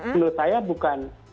menurut saya bukan